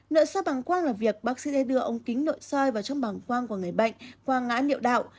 nội soi bằng quang là việc bác sĩ sẽ đưa ống kính nội soi vào trong bằng quang của người bệnh qua ngã liệu đạo